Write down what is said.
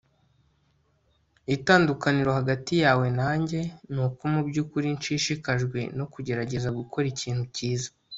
Itandukaniro hagati yawe nanjye nuko mubyukuri nshishikajwe no kugerageza gukora ikintu cyiza